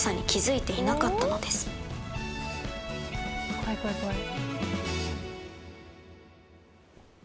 怖い怖い怖い。